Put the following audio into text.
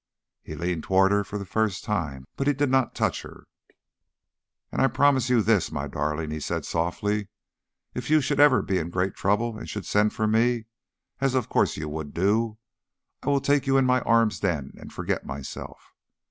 He leaned toward her for the first time, but he did not touch her. "And I promise you this, my darling," he said softly: "if you ever should be in great trouble and should send for me as of course you would do I will take you in my arms then and forget myself.